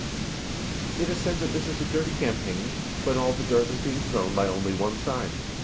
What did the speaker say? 186 It is said that this is a dirty campaign, but all the dirt is being thrown by only one side.